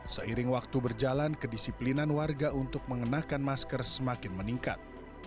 seiring waktu berjalan kedisiplinan warga untuk mengenakan masker semakin meningkat